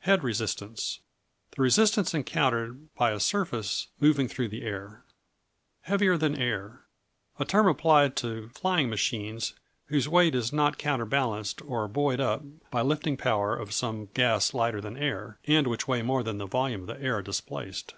Head Resistance The resistance encountered by a surface moving through the air. Heavier than air A term applied to flying machines whose weight is not counterbalanced or buoyed up by the lifting power of some gas lighter than air; and which weigh more than the volume of air displaced.